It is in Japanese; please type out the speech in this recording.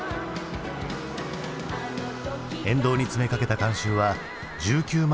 沿道に詰めかけた観衆は１９万